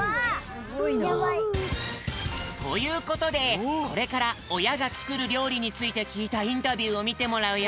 すごいな。ということでこれからおやがつくるりょうりについてきいたインタビューをみてもらうよ。